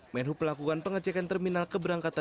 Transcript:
menuh pelakukan pengecekan terminal keberangkatan